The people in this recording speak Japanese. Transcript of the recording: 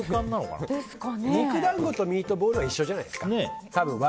肉団子とミートボールは一緒じゃないですか？